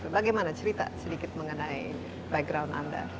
bagaimana cerita sedikit mengenai background anda